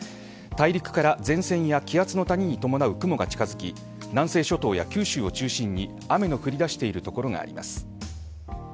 大陸から前線や気圧の谷に伴う雲が近づき南西諸島や九州を中心に雨の降り出している所があります。